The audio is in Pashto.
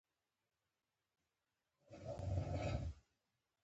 اول بايد د يوه توري نوم وپېژنو.